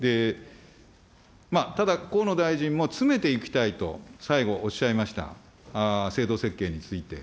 ただ、河野大臣も詰めていきたいと、最後、おっしゃいました、制度設計について。